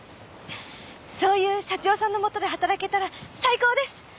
そういう社長さんの下で働けたら最高です！